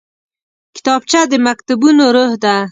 کتابچه د مکتبونو روح ده